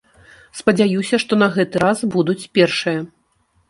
Спадзяюся, што на гэты раз будуць першыя.